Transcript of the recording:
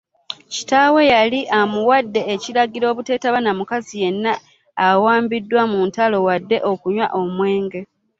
Kitaawe yali amuwadde ekiragiro obuteetaba na mukazi yenna awambiddwa mu ntalo wadde okunywa omwenge.